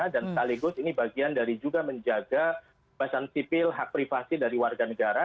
dan sekaligus ini bagian dari juga menjaga pahasan sipil hak privasi dari warga negara